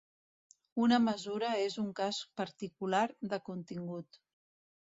Una mesura és un cas particular de contingut.